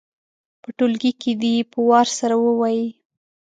په ټولګي کې دې یې په وار سره ووايي.